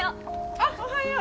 あっおはよう。